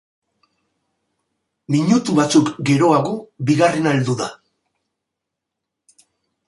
Minutu batzuk geroago bigarrena heldu da.